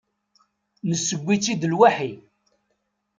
Nesseww-itt-id lwaḥi.